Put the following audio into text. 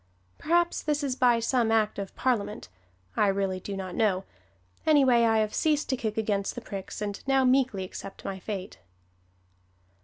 Perhaps this is by some Act of Parliament I really do not know; anyway, I have ceased to kick against the pricks and now meekly accept my fate.